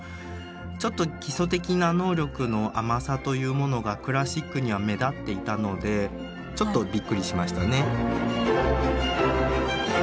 ちょっと基礎的な能力の甘さというものがクラシックには目立っていたのでちょっとびっくりしましたね。